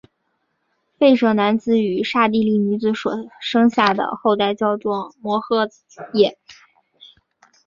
吠舍男子与刹帝利女子所生下的后代叫做摩偈闼。